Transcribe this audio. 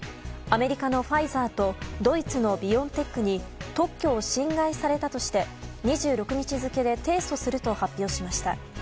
アメリカのファイザーとドイツのビオンテックに特許を侵害されたとして２６日付で提訴すると発表しました。